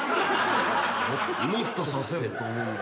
もっとさせると思うんだよな。